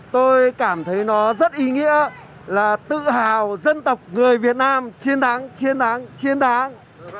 tôi cảm thấy nó rất ý nghĩa là tự hào dân tộc người việt nam chiến thắng chiến thắng chiến đáng